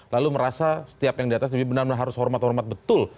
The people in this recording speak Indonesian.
lalu merasa setiap yang di atas lebih benar benar harus hormat hormat betul